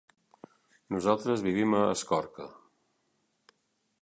Nosaltres vivim a Escorca.